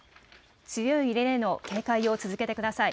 強い揺れへの警戒を続けてください。